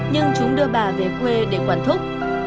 nhưng chúng đưa bà về quê để quản thúc